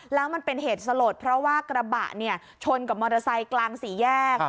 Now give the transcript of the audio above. แล้วมันเป็นเหตุสลดเพราะว่ากระบะเนี่ยชนกับมอเตอร์ไซค์กลางสี่แยก